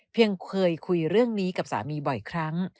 ยังเคยคุยเรื่องนี้กับสามีบ่อยครั้ง